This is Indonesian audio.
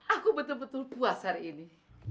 aku betul betul puas hari ini